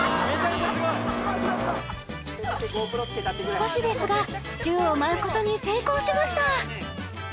少しですが宙を舞うことに成功しました